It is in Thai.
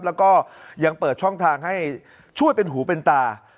แล้วก็ยังเปิดช่องทางให้ช่วยเป็นหูเป็นตา